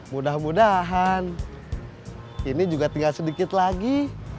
mudah mudahan ini juga tinggal sedikit lagi